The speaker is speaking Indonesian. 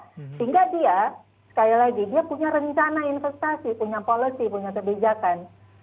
sehingga dia sekali lagi dia punya rencana investasi punya policy punya kebijakan